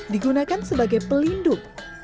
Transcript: digunakan sebagai pelindung